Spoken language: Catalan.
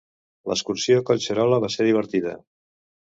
L'Excursió a Collserola va ser divertida.